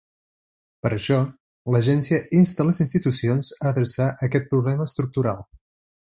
Per això, l’agència insta les institucions a adreçar aquest problema estructural.